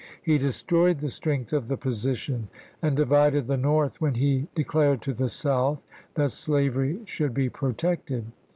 He destroyed the strength of the position and divided the North when he de clared to the South that slavery should be pro tected.